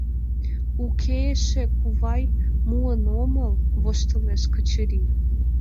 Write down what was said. — Уке эше, кувай, муын омыл — воштылеш Качырий.